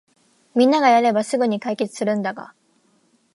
みんながやればすぐに解決するんだが